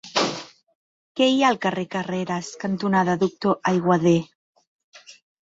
Què hi ha al carrer Carreras cantonada Doctor Aiguader?